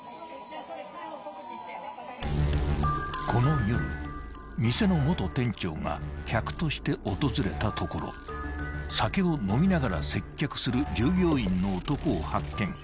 ［この夜店の元店長が客として訪れたところ酒を飲みながら接客する従業員の男を発見］